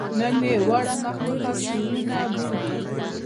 نن ئې واړه مخلوقات شعرونه بولي